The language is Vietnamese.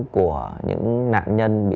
của những nạn nhân bị